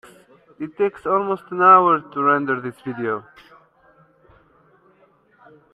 It takes almost an hour to render this video.